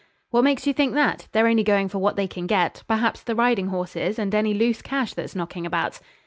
'What makes you think that? They're only going for what they can get; perhaps the riding horses and any loose cash that's knocking about.'